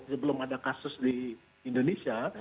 sebelum ada kasus di indonesia